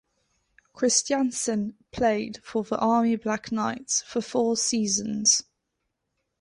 Christiansen played for the Army Black Knights for four seasons.